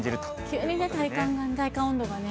急に体感温度がね。